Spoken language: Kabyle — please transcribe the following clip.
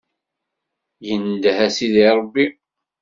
Indeh a Sidi Ṛebbi.